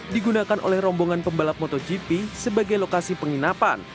digunakan oleh rombongan pembalap motogp sebagai lokasi penginapan